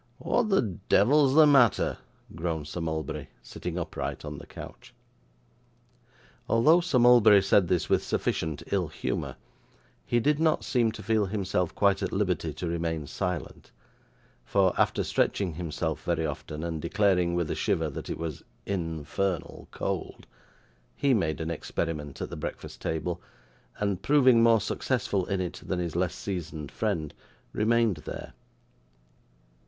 'What the devil's the matter?' groaned Sir Mulberry, sitting upright on the couch. Although Sir Mulberry said this with sufficient ill humour, he did not seem to feel himself quite at liberty to remain silent; for, after stretching himself very often, and declaring with a shiver that it was 'infernal cold,' he made an experiment at the breakfast table, and proving more successful in it than his less seasoned friend, remained there.